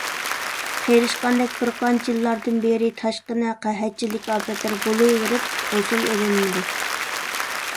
قېرىشقاندەك بىر قانچە يىللاردىن بېرى تاشقىن ۋە قەھەتچىلىك ئاپەتلىرى بولىۋېرىپ، ھوسۇل ئېلىنمىدى.